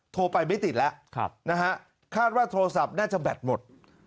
โทรไปไม่ติดแล้วนะฮะคาดว่าโทรศัพท์น่าจะแบตหมด